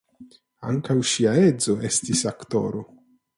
Ankaŭ ŝia edzo estis aktoro.